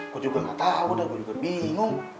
gue juga gak tau dah gue juga bingung